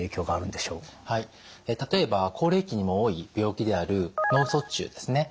例えば高齢期にも多い病気である脳卒中ですね